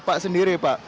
ini sendiri pak